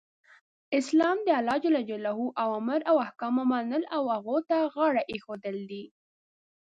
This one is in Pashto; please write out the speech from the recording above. اسلام د الله ج اوامرو او احکامو منل او هغو ته غاړه ایښودل دی .